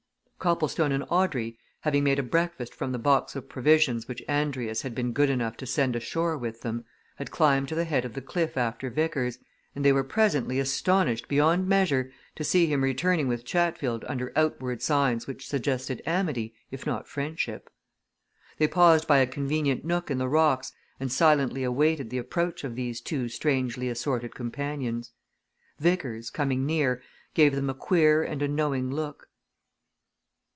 Copplestone and Audrey, having made a breakfast from the box of provisions which Andrius had been good enough to send ashore with them, had climbed to the head of the cliff after Vickers, and they were presently astonished beyond measure to see him returning with Chatfield under outward signs which suggested amity if not friendship. They paused by a convenient nook in the rocks and silently awaited the approach of these two strangely assorted companions. Vickers, coming near, gave them a queer and a knowing look.